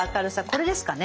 これですかね。